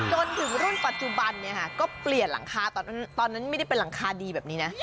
จนถึงรุ่นปัจจุบันเนี่ยค่ะก็เปลี่ยนหลังคาตอนนั้นไม่ได้เป็นหลังคาดีแบบนี้นะ